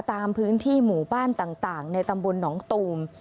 ตามพื้นที่หมู่บ้านต่างในตำบลหนองตูม